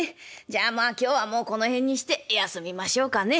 じゃあまあ今日はもうこの辺にして休みましょうかね。